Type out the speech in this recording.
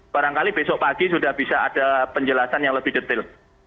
barangkali besok pagi sudah bisa ada penjelasan yang lebih detail